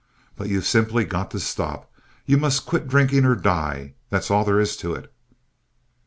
But you've simply got to stop. You must quit drinking or die, that's all there is to it.